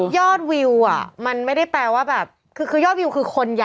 จบแล้วหรอไปต่อที่ข่าวอื่นเลยหรอทำไมนะ